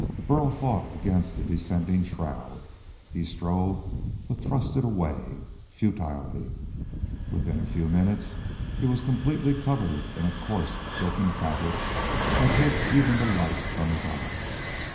Burl fought against the descending shroud. He strove to thrust it away, futilely. Within minutes he was completely covered in a coarse silken fabric that hid even the light from his eyes.